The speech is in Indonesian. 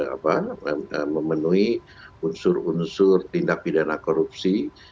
apa memenuhi unsur unsur tindak pidana korupsi